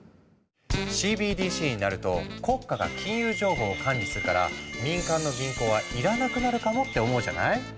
ＣＢＤＣになると国家が金融情報を管理するから民間の銀行は要らなくなるかもって思うじゃない？